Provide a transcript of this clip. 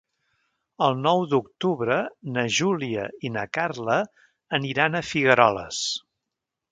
El nou d'octubre na Júlia i na Carla aniran a Figueroles.